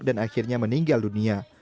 dan akhirnya meninggal dunia